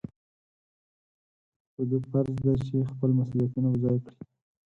په ده فرض دی چې خپل مسؤلیتونه په ځای کړي.